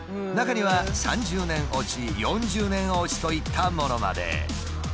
中には３０年落ち４０年落ちといったものまで。